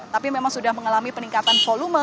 tapi memang sudah mengalami peningkatan volume